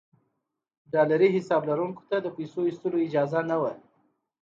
ډالري حساب لرونکو ته د پیسو ایستلو اجازه نه وه.